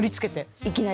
いきなり？